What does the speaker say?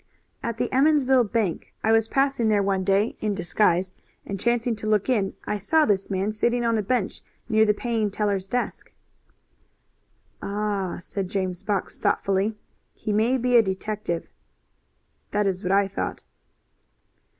"At the Emmonsville bank. I was passing there one day in disguise and, chancing to look in, I saw this man sitting on a bench near the paying teller's desk." "Ah!" said James Fox, thoughtfully. "He may be a detective." "That is what I thought."